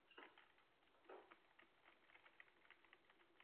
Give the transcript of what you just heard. ili uimarike zaidi na kuweka mazingira ya kuona nafasi za kazi